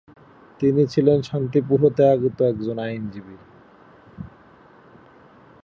তিনি ছিলেন শান্তিপুর হতে আগত একজন আইনজীবী।